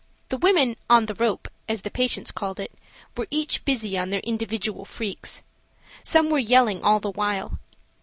The women "on the rope," as the patients call it, were each busy on their individual freaks. Some were yelling all the while.